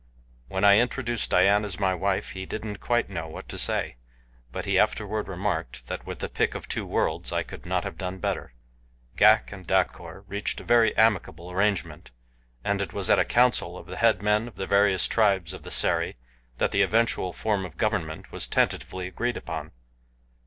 When I introduced Dian as my wife, he didn't quite know what to say, but he afterward remarked that with the pick of two worlds I could not have done better. Ghak and Dacor reached a very amicable arrangement, and it was at a council of the head men of the various tribes of the Sari that the eventual form of government was tentatively agreed upon.